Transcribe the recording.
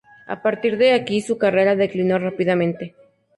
A partir de aquí su carrera declinó rápidamente.